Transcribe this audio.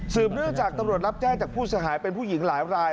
เนื่องจากตำรวจรับแจ้งจากผู้เสียหายเป็นผู้หญิงหลายราย